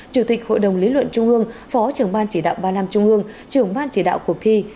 chủ tịch hội đồng lý luận trung ương phó trưởng ban chỉ đạo ba năm trung ương trưởng ban chỉ đạo cuộc thi